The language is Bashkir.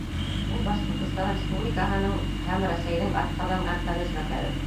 Ул Башҡортостан Республикаһының һәм Рәсәйҙең атҡаҙанған фән эшмәкәре.